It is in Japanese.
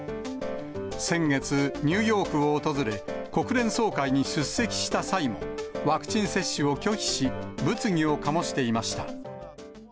先月、ニューヨークを訪れ、国連総会に出席した際に、ワクチン接種を拒否し、物議を醸していました。